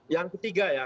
yang ketiga ya